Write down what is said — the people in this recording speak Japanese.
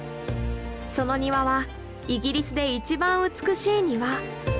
その庭はイギリスで一番美しい庭。